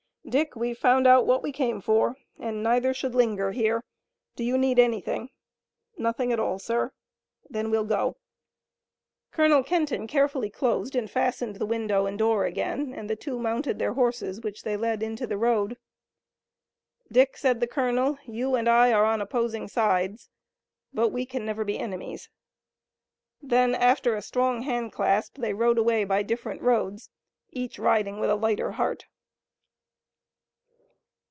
Dick, we've found out what we came for and neither should linger here. Do you need anything?" "Nothing at all, sir." "Then we'll go." Colonel Kenton carefully closed and fastened the window and door again and the two mounted their horses, which they led into the road. "Dick," said the colonel, "you and I are on opposing sides, but we can never be enemies." Then, after a strong handclasp, they rode away by different roads, each riding with a lighter heart.